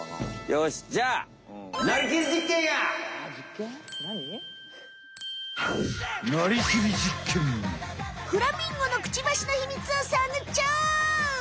よしじゃあフラミンゴのクチバシのヒミツを探っちゃおう！